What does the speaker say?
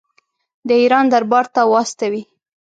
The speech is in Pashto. د ایران دربار ته واستوي.